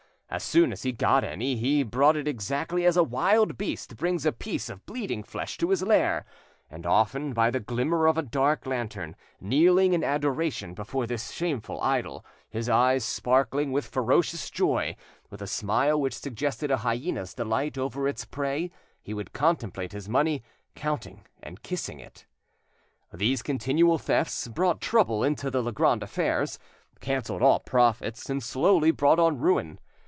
As soon as he got any, he brought it exactly as a wild beast brings a piece of bleeding flesh to his lair; and often, by the glimmer of a dark lantern, kneeling in adoration before this shameful idol, his eyes sparkling with ferocious joy, with a smile which suggested a hyena's delight over its prey, he would contemplate his money, counting and kissing it. These continual thefts brought trouble into the Legrand affairs, cancelled all profits, and slowly brought on ruin.